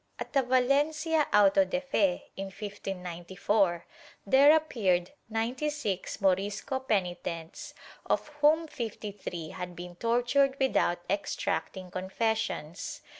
At a Valencia auto de fe, in 1594, there appeared ninety six Morisco penitents of whom fifty three had been tortured without extract ing confessions.